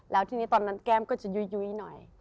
แล้วทีนี้ตอนนั้นแก้มก็จะยุ้ยหน่อย